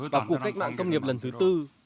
bảo cục cách mạng công nghiệp lần thứ tư